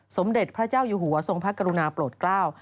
สมเด็จพระเจ้าอยู่หัวทรงพระกรุณาโปรดกล้า